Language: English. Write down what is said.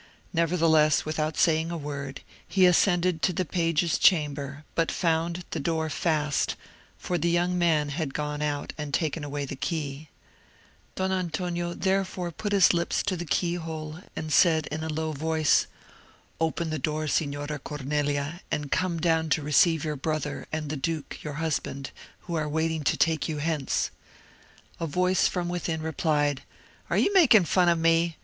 Nevertheless, without saying a word, he ascended to the page's chamber, but found the door fast, for the young man had gone out, and taken away the key. Don Antonio therefore put his lips to the keyhole, and said in a low voice, "Open the door, Signora Cornelia, and come down to receive your brother, and the duke, your husband, who are waiting to take you hence." A voice from within replied, "Are you making fun of me?